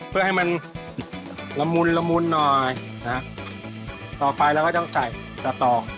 เพื่อให้มันละมุนละมุนหน่อยนะต่อไปเราก็ต้องใส่ต่อตอก